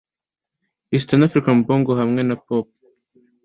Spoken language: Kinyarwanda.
East African Bongo hamwe na Pop